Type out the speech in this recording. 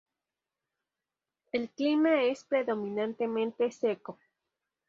El clima es predominantemente seco.